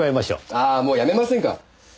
ああもうやめませんか？